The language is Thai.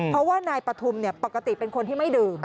เพราะว่านายปฐุมปกติเป็นคนที่ไม่ดื่ม